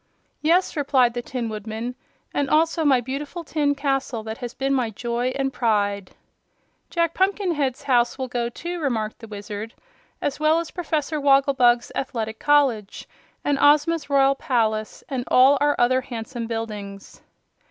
"Yes," replied the Tin Woodman, "and also my beautiful tin castle, that has been my joy and pride." "Jack Pumpkinhead's house will go too," remarked the Wizard, "as well as Professor Wogglebug's Athletic College, and Ozma's royal palace, and all our other handsome buildings."